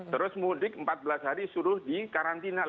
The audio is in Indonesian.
terus mudik empat belas hari suruh dikarantina